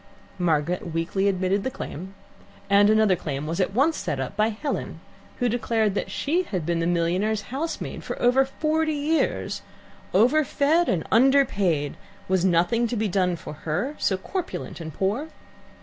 Margaret weakly admitted the claim, and another claim was at once set up by Helen, who declared that she had been the millionaire's housemaid for over forty years, overfed and underpaid; was nothing to be done for her, so corpulent and poor?